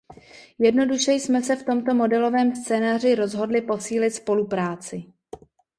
Jednoduše jsme se v tomto modelovém scénáři rozhodli posílit spolupráci.